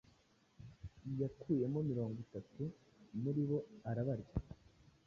Yakuyemo mirongo itatu muri boarabarya